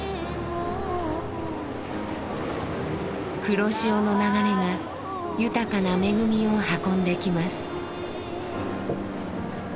黒潮の流れが豊かな恵みを運んできます。